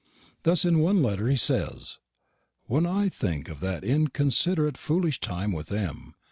Thus in one letter he says, "When I think of that inconsideratt foolish time with M.